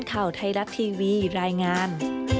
ข่าวไทยรัฐทีวีรายงาน